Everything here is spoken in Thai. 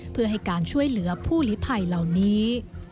เพื่อให้การช่วยเหลือผู้หลีภัยเหล่านี้